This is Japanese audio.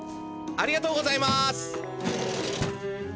ありがとうございます！